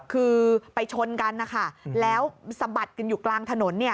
คือไปชนกันนะคะแล้วสะบัดอยู่กลางถนน